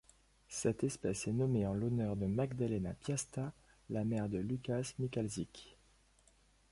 Cette espèce est nommée en l'honneur de Magdalena Piąsta, la mère de Łukasz Michalczyk.